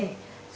sự tăng lên